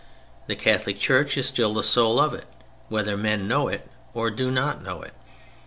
The Catholic Church is still the soul of it, whether men know it or do not know it.